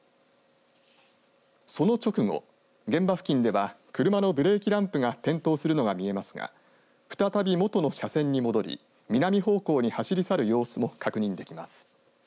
その直後現場付近では車のブレーキランプが点灯するのが見えますが再び元の車線に戻り南方向に走り去る様子も確認できます。